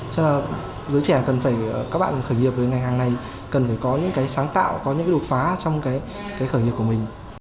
cho nên là giới trẻ cần phải các bạn khởi nghiệp về ngành hàng này cần phải có những cái sáng tạo có những cái đột phá trong cái khởi nghiệp của mình